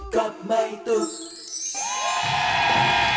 ก็ไม่ตุก